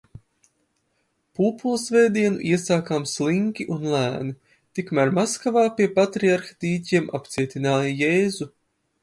Pūpolsvētdienu iesākām slinki un lēni. Tikmēr Maskavā pie Patriarha dīķiem apcietināja Jēzu.